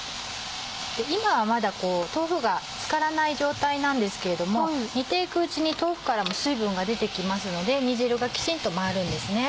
今はまだ豆腐がつからない状態なんですけれども煮て行くうちに豆腐からも水分が出て来ますので煮汁がきちんと回るんですね。